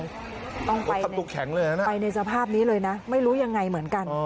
ก็ต้องไปในสถาปพ์นี้เลยนะไม่รู้อย่างไรเหมือนกัน